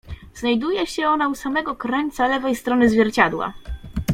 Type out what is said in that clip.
"Znajduje się ona u samego krańca lewej strony zwierciadła."